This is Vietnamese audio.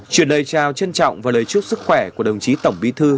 chuyển lời chào trân trọng và lời chúc sức khỏe của đồng chí tổng bí thư